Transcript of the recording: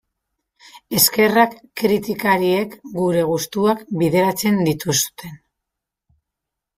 Eskerrak kritikariek gure gustuak bideratzen dituzten...